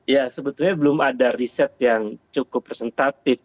ya sebetulnya belum ada riset yang cukup presentatif